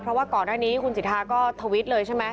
เพราะว่าก่อนหน้านี้คุณสิทธาก็ทวิตเลยใช่ไหม